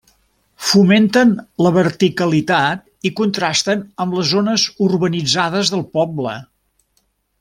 Fomenten la verticalitat i contrasten amb les zones urbanitzades del poble.